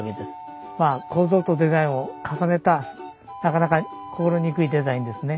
まあ構造とデザインを重ねたなかなか心憎いデザインですね。